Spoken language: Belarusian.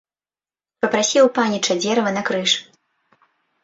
Папрасі ў паніча дзерава на крыж.